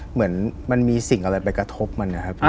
เหมือนมันมีสิ่งอะไรไปกระทบมันนะครับ